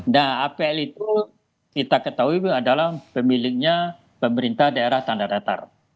nah apl itu kita ketahui adalah pemiliknya pemerintah daerah tanda datar